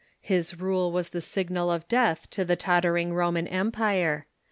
His rule was the signal of death to the totter ing Roman Empire.